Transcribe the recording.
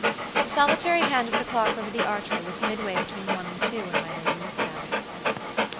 The solitary hand of the clock over the archway was midway between one and two when my lady looked at it.